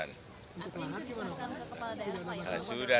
artinya itu disuruhkan ke kepala daerah pak